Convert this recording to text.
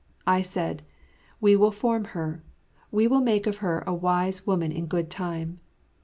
I said, "We will form her, we will make of her a wise woman in good time.